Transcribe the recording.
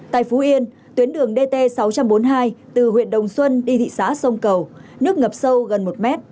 tại phú yên tuyến đường dt sáu trăm bốn mươi hai từ huyện đồng xuân đi thị xã sông cầu nước ngập sâu gần một m